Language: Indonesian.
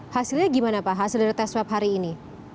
hasilnya gimana pak hasil dari tes swab hari ini